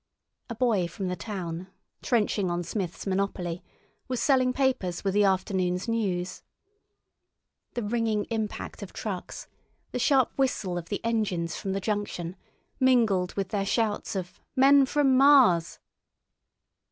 A boy from the town, trenching on Smith's monopoly, was selling papers with the afternoon's news. The ringing impact of trucks, the sharp whistle of the engines from the junction, mingled with their shouts of "Men from Mars!"